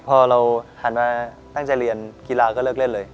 พอเราหันมาตั้งใจเรียนกีฬาก็เลิกเล่นเลย